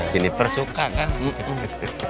dikeprek suka kan